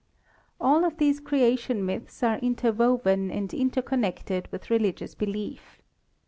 All of these creation myths are interwoven and inter connected with religious belief.